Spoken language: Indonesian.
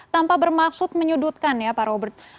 tanpa bermaksud menyudutkan ya pak robert